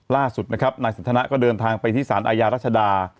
ล่าสุดนะครับนายสันทนาก็เดินทางไปที่สารอาญารัชดา